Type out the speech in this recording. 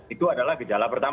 itu adalah gejala pertama